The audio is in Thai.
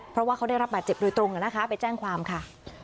เพราะว่าเขาได้รับบาดเจ็บโดยตรงนะคะไปแจ้งความค่ะ